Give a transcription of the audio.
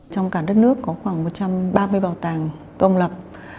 trong cả đất nước có khoảng một trăm ba mươi bảo tàng công lập